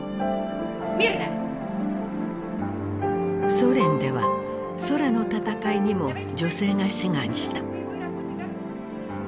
ソ連では空の戦いにも女性が志願した。